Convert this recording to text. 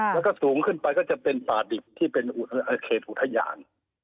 แล้วก็สูงขึ้นไปก็จะเป็นป่าดิบที่เป็นเขตอุทยาน